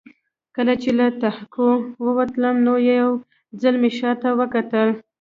کله چې له تهکوي وتلم نو یو ځل مې شا ته وکتل